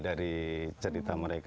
dari cerita mereka